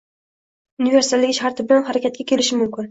universalligi sharti bilan harakatga kelishi mumkin